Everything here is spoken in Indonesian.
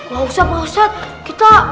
gausah pak ustaz kita